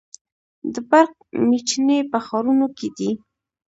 د برق میچنې په ښارونو کې دي.